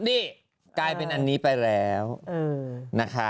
นี่กลายเป็นอันนี้ไปแล้วนะคะ